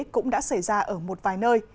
cũng đã xảy ra ở một vài nơi